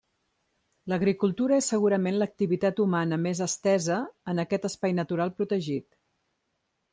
L'agricultura és segurament l'activitat humana més estesa en aquest espai natural protegit.